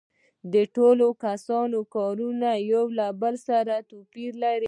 د ټولو کسانو کارونه یو له بل سره توپیر لري